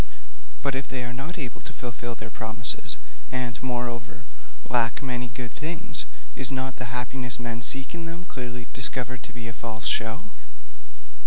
But if they are not able to fulfil their promises, and, moreover, lack many good things, is not the happiness men seek in them clearly discovered to be a false show?